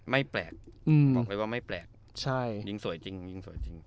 ไม่แปลกบอกเลยว่าไม่แปลกยิงสวยจริง